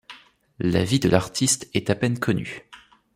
La vie de l'artiste est à peine connue.